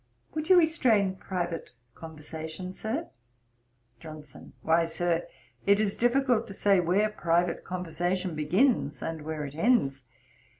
'Would you restrain private conversation, Sir?' JOHNSON. 'Why, Sir, it is difficult to say where private conversation begins, and where it ends.